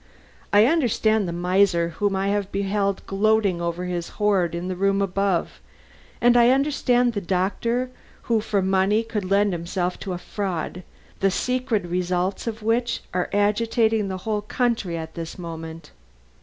"I understand the miser whom I have beheld gloating over his hoard in the room above, and I understand the doctor who for money could lend himself to a fraud, the secret results of which are agitating the whole country at this moment."